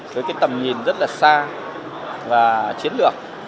với cái tầm nhìn rất là xa và chiến lược